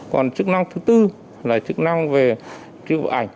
còn chức năng thứ tư là chức năng về triệu ảnh